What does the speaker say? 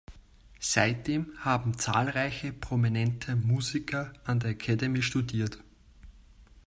Seitdem haben zahlreiche prominente Musiker an der Academy studiert.